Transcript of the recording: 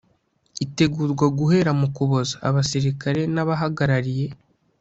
itegurwa guhera mu kuboza abasirikare n abahagarariye